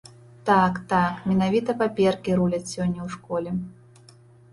Так, так, менавіта паперкі руляць сёння ў школе!